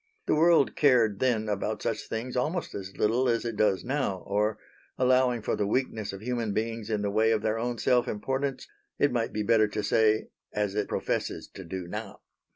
The world cared then about such things almost as little as it does now; or, allowing for the weakness of human beings in the way of their own self importance, it might be better to say as it professes to do now.